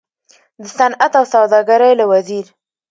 د صنعت او سوداګرۍ له وزیر